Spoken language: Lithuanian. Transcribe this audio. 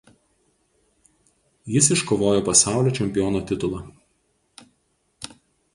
Jis iškovojo pasaulio čempiono titulą.